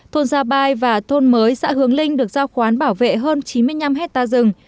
thôn gia bai và thôn mới xã hướng linh được giao khoán bảo vệ hơn chín mươi năm hectare rừng